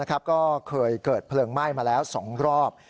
ก็เคยเกิดเพลิงไหม้มาแล้ว๒รอบ